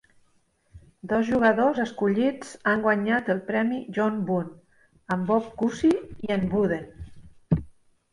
Dos jugadors escollits han guanyat el premi John Bunn, en Bob Cousy i en Wooden.